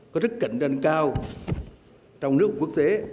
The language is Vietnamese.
có rất cạnh tranh cao trong nước quốc tế